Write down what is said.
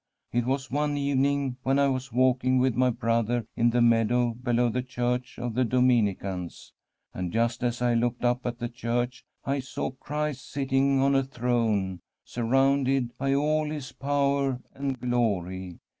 It was one evening when I was walking with my brother in the meadow below the church of the Dominicans, and just as I looked up at the church I saw Christ sit ting on a throne, surrounded by all His power and glory.